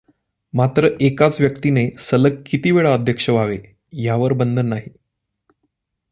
मात्र एकाच व्यक्तीने सलग किती वेळा अध्यक्ष व्हावे यावर बंधन नाही.